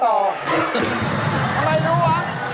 ทำไมรู้หรือ